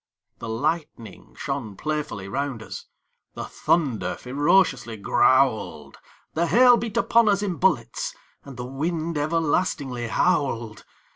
The lightning shone playfully round us; The thunder ferociously growled; The hail beat upon us in bullets; And the wind everlastingly howled.